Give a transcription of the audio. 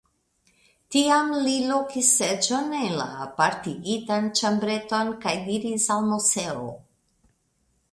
Tiam li lokis seĝon en la apartigitan ĉambreton kaj diris al Moseo.